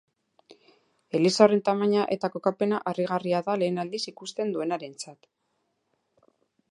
Eliza horren tamaina eta kokapena harrigarria da lehen aldiz ikusten duenarentzat.